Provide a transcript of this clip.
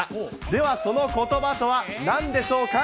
では、そのことばとはなんでしょうか。